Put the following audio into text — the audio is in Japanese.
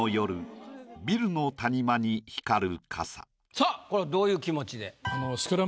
さあこれはどういう気持ちで？